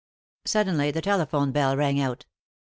Suddenly the telephone bell rang out.